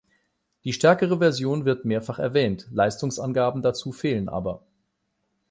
Die stärkere Version wird mehrfach erwähnt, Leistungsangaben dazu fehlen aber.